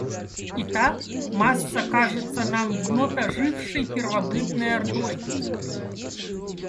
Итак, масса кажется нам вновь ожившей первобытной ордой.